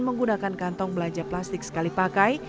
menggunakan kantong belanja plastik sekali pakai